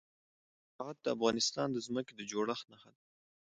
زراعت د افغانستان د ځمکې د جوړښت نښه ده.